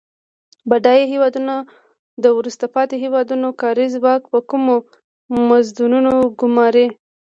بډایه هیوادونه د وروسته پاتې هېوادونو کاري ځواک په کمو مزدونو ګوماري.